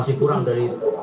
masih kurang dari